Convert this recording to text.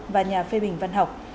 và nhà phê bình văn học